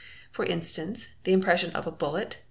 For instance—the impression of a bullet.